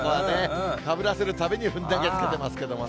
かぶせるたびに、投げつけてますけどね。